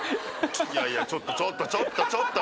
いやいやちょっとちょっとちょっとちょっと。